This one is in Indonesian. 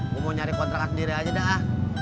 gue mau nyari kontrak sendiri aja dah ah